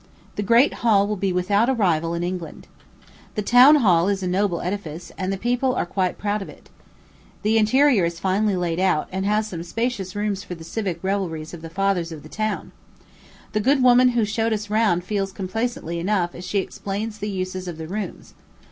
The great hall will be without a rival in England. The town hall is a noble edifice, and the people are quite proud of it. The interior is finely laid out, and has some spacious rooms for the civic revelries of the fathers of the town. The good woman who showed us round feels complacently enough as she explains the uses of the rooms.